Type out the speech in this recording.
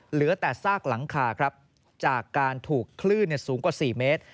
เหลือแต่ซากหลังคาครับจากการถูกคลื่นสูงกว่า๔เมตร